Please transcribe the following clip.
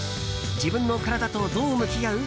自分のカラダとどう向き合う？